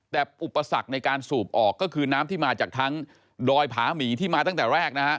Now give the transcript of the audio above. แต่อุปสรรคในการสูบออกก็คือน้ำที่มาจากทั้งดอยผาหมีที่มาตั้งแต่แรกนะฮะ